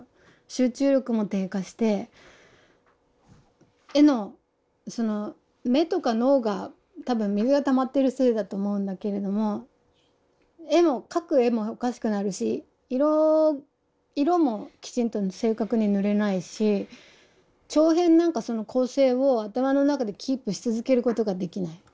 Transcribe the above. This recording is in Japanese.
集中力も低下して絵の目とか脳が多分水がたまってるせいだと思うんだけれども絵も描く絵もおかしくなるし色もきちんと正確に塗れないし長編なんかその構成を頭の中でキープし続けることができない。